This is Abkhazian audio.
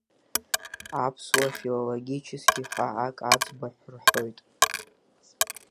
Аԥсуа филологически ҳәа ак аӡбахә рҳәоит…